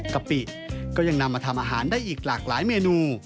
กะปิก็ยังนำมาทำอาหารได้อีกหลากหลายเมนู